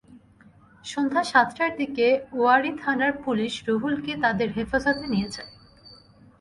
সন্ধ্যা সাতটার দিকে ওয়ারী থানার পুলিশ রুহুলকে তাদের হেফাজতে নিয়ে যায়।